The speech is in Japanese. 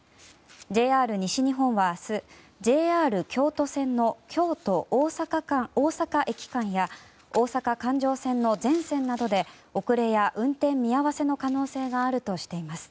ＪＲ西日本は、明日ＪＲ京都線の京都大阪駅間や大阪環状線の全線などで遅れや運転見合わせの可能性があるとしています。